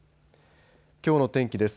きょうの天気です。